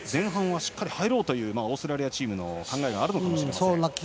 しっかり入ろうというオーストラリアチームの考えがあるかもしれません。